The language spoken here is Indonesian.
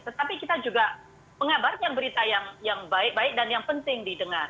tetapi kita juga mengabarkan berita yang baik baik dan yang penting didengar